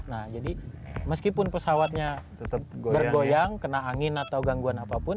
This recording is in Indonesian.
nah jadi meskipun pesawatnya bergoyang kena angin atau gangguan apapun